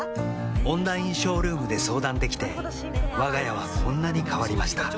オンラインショールームで相談できてわが家はこんなに変わりました